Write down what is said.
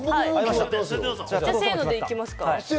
せのでいきますか？